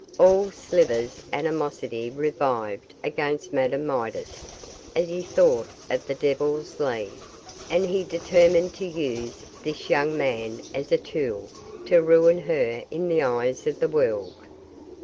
All Slivers' animosity revived against Madame Midas as he thought of the Devil's Lead, and he determined to use this young man as a tool to ruin her in the eyes of the world.